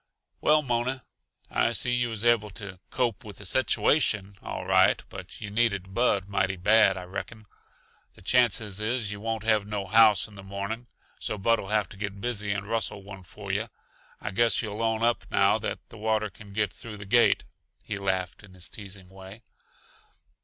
"Well, Mona, I see yuh was able to 'cope with the situation,' all right but yuh needed Bud mighty bad, I reckon. The chances is yuh won't have no house in the morning, so Bud'll have to get busy and rustle one for yuh. I guess you'll own up, now, that the water can get through the gate." He laughed in his teasing way.